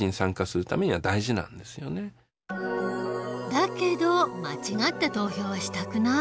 だけど間違った投票はしたくない。